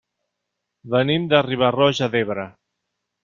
Venim de Riba-roja d'Ebre.